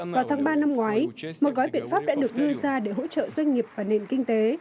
vào tháng ba năm ngoái một gói biện pháp đã được đưa ra để hỗ trợ doanh nghiệp và nền kinh tế